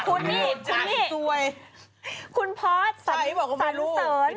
คุณนี่คุณนี่คุณพอร์ตสันเสริญ